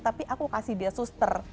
tapi aku kasih dia suster